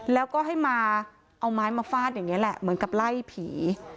แล้วก็ให้มาเอาไม้มาฟาดอย่างนี้แหละเหมือนกับไล่ผี